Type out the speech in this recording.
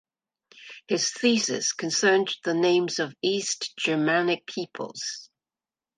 His thesis concerned the names of East Germanic peoples.